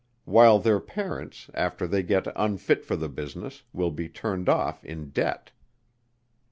While their parents, after they get unfit for the business, will be turned off in debt.